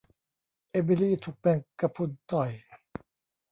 เอมิลีถูกแมงกะพรุนต่อย